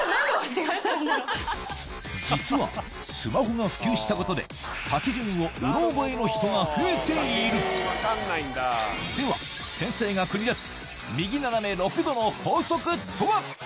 実はスマホが普及したことで書き順をうろ覚えの人が増えているでは先生が繰り出す